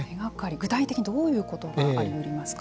具体的にどういうことがあり得ますか。